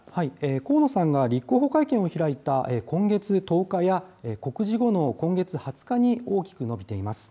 河野さんが立候補会見を開いた今月１０日や、告示後の今月２０日に大きく伸びています。